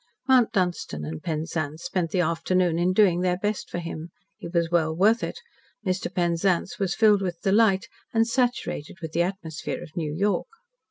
Mount Dunstan and Penzance spent the afternoon in doing their best for him. He was well worth it. Mr. Penzance was filled with delight, and saturated with the atmosphere of New York.